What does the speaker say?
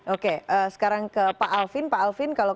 oke sekarang ke pak alvin pak alvin